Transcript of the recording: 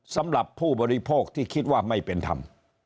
สำหรับผู้บริโภคที่คิดว่าไม่เป็นธรรม